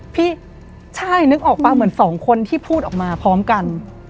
พี่ใช่นึกออกป่ะเหมือนสองคนที่พูดออกมาพร้อมกัน